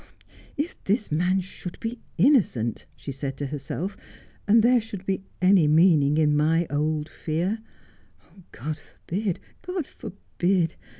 ' If this man should be innocent,' she said to herself, ' and there should be any meaning in my old fear — God forbid ! God forbid